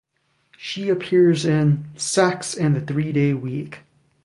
She appears in 'Sex and the Three Day Week'.